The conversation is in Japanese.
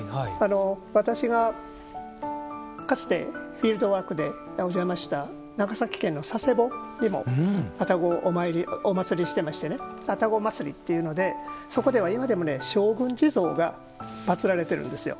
私がかつてフィールドワークで訪れました長崎県の佐世保にも愛宕をお祭りしていましてね愛宕祭りというのでそこでは今でも勝軍地蔵が祭られているんですよ。